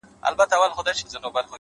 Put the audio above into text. ساقي خراب تراب مي کړه نڅېږم به زه ـ